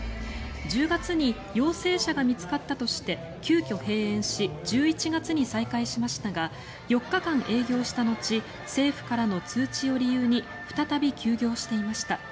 １０月に陽性者が見つかったとして急きょ閉園し１１月に再開しましたが４日間営業した後政府からの通知を理由に再び休業していました。